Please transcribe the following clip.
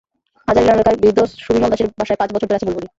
হাজারী lane এলাকার বৃদ্ধ সুবিমল দাশের বাসায় পাঁচ বছর ধরে আছে বুলবুলি।